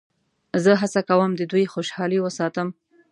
زه هڅه کوم د دوی خوشحالي وساتم.